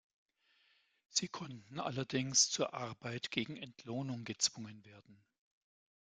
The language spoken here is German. Sie konnten allerdings zur Arbeit gegen Entlohnung gezwungen werden.